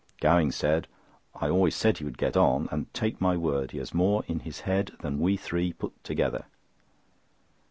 Gowing said: "I always said he would get on, and, take my word, he has more in his head than we three put together."